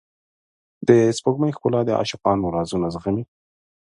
د سپوږمۍ ښکلا د عاشقانو رازونه زغمي.